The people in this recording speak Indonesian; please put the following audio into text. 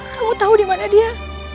kamu tahu dimana dia